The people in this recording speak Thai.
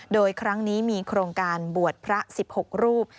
โดยครั้งนี้มีโครงการบวชพระ๑๖รูป